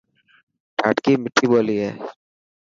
ڌاٽڪي مٺي ٻولي هي.